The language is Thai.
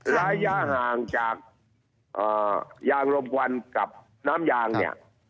ระยะห่างจากยางลมควันกับน้ำยางเนี่ย